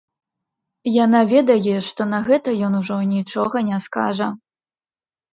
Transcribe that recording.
Яна ведае, што на гэта ён ужо нічога не скажа.